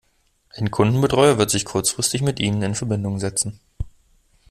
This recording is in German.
Ein Kundenbetreuer wird sich kurzfristig mit ihnen in Verbindung setzen.